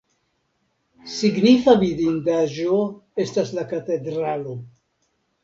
Signifa vidindaĵo estas la katedralo.